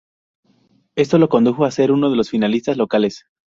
Esto lo condujo a ser uno de los finalistas locales.